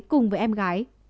cùng với em gái